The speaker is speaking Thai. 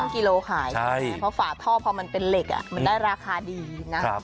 กิโลขายเพราะฝาท่อพอมันเป็นเหล็กมันได้ราคาดีนะ